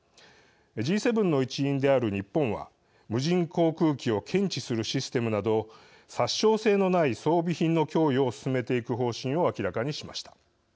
Ｇ７の一員である日本は無人航空機を検知するシステムなど殺傷性のない装備品の供与を進めていく方針を明らかにしました。